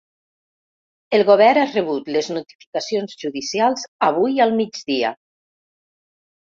El govern ha rebut les notificacions judicials avui al migdia.